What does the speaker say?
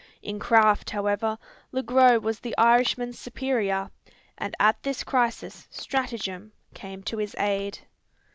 In craft, however, Le Gros was the Irishman's superior: and at this crisis stratagem came to his aid.